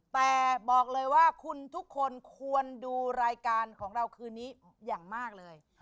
แต่บอกเลยว่าคุณทุกคนควรดูรายการของเราคืนนี้อย่างมากเลย